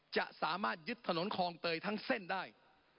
จะสามารถยึดถนนคลองเตยทั้งเส้นได้